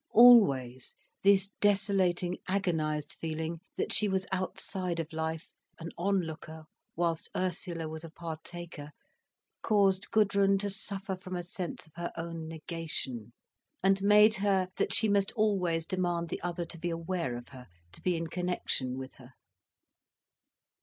Always this desolating, agonised feeling, that she was outside of life, an onlooker, whilst Ursula was a partaker, caused Gudrun to suffer from a sense of her own negation, and made her, that she must always demand the other to be aware of her, to be in connection with her.